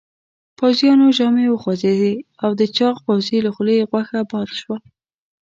پوځيانو ژامې وخوځېدې او د چاغ پوځي له خولې غوښه باد شوه.